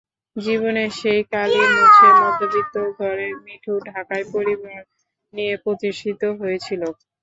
জীবনের সেই কালি মুছে মধ্যবিত্ত ঘরের মিঠু ঢাকায় পরিবার নিয়ে প্রতিষ্ঠিত হয়েছিল।